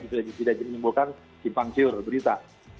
supaya tidak menimbulkan cimpang siur berita